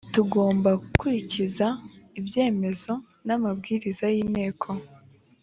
tugomba kubahiriza ibyemezo n’amabwiriza y’inteko